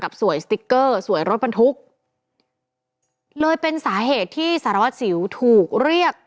สวยสติ๊กเกอร์สวยรถบรรทุกเลยเป็นสาเหตุที่สารวัสสิวถูกเรียก